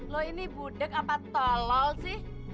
lu ini budek apa tolol sih